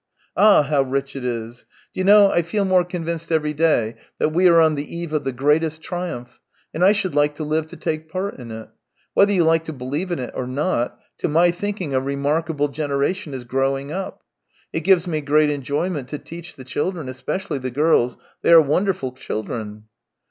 Ah, how rich it is ! Do you know, I feel more THREE YEARS 287 convinced every day that we are on the eve of the greatest triumph, and I should hke to live to take part in it. Whether you like to believe it or not, to my thinking a remarkable generation is growing up. It gives me great enjoyment to teach the children, especially the girls. They are wonderful children